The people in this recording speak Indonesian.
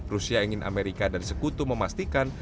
rusia ingin amerika dan sekutu memastikan